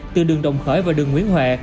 từ đường đồng khởi và đường nguyễn huệ